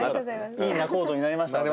いい仲人になりましたね。